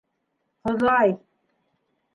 «Хоҙай».